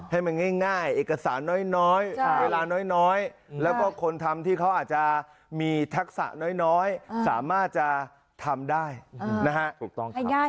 ให้มันง่ายเอกสารน้อยเวลาน้อย